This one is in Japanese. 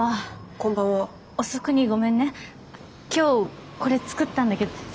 今日これ作ったんだけど。